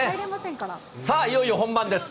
さあ、いよいよ本番です。